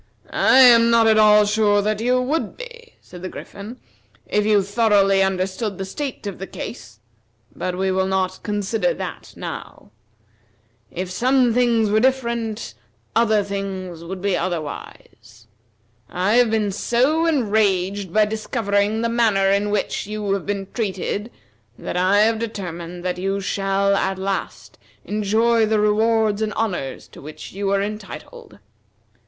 "I am not at all sure that you would be," said the Griffin, "if you thoroughly understood the state of the case, but we will not consider that now. If some things were different, other things would be otherwise. I have been so enraged by discovering the manner in which you have been treated that I have determined that you shall at last enjoy the rewards and honors to which you are entitled.